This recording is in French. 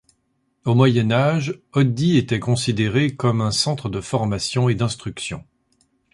Au Moyen Âge, Oddi était considéré comme un centre de formation et d'instruction.